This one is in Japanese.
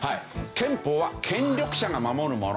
憲法は権力者が守るもの。